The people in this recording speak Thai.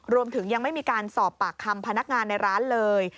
รวมถึงยังไม่มีการสอบปากคำพนักงานในร้านเลย